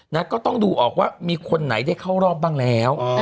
ก็ต้องดูออกว่ามีคนไหนได้เข้ารอบบ้างแล้ว